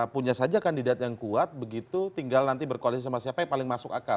punya saja kandidat yang kuat begitu tinggal nanti berkoalisi sama siapa yang paling masuk akal